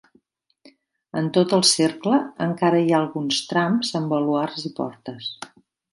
En tot el cercle encara hi ha alguns trams, amb baluards i portes.